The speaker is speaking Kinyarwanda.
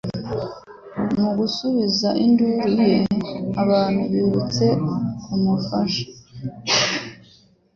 Mu gusubiza induru ye, abantu birutse kumufasha.